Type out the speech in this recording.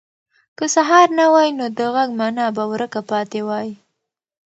که سهار نه وای، نو د غږ مانا به ورکه پاتې وای.